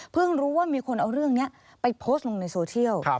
รู้ว่ามีคนเอาเรื่องนี้ไปโพสต์ลงในโซเชียล